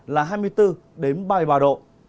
là hai mươi bốn đến ba mươi ba độ